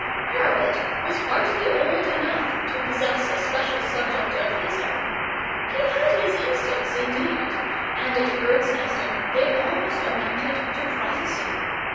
Harold was hardly old enough to possess a special subject of his own. He had his instincts, indeed, and at bird's nesting they almost amounted to prophecy.